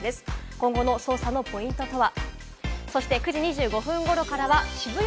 今後の捜査のポイントとは？